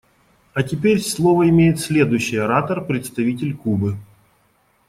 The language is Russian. А теперь слово имеет следующий оратор − представитель Кубы.